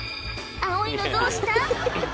青いのどうした？